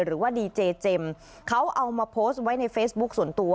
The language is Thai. หรือว่าดีเจเจมส์เขาเอามาโพสต์ไว้ในเฟซบุ๊คส่วนตัว